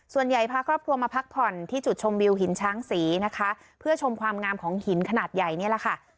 พาครอบครัวมาพักผ่อนที่จุดชมวิวหินช้างศรีนะคะเพื่อชมความงามของหินขนาดใหญ่นี่แหละค่ะ